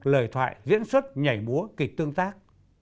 lời thoại diễn xuất nhảy búa kịch tương tác